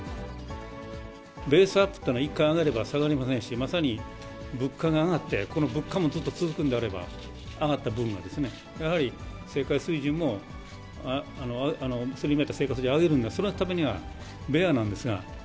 ベースアップってのは、一回上がれば下がりませんし、まさに物価が上がってこの物価もずっと続くんであれば、上がった分がやはり、生活水準もそれに見合った生活にあげるんだ、そのためにはベアなんですが。